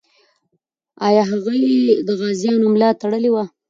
آیا هغې د غازیانو ملا تړلې وه؟